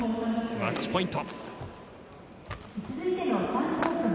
マッチポイント！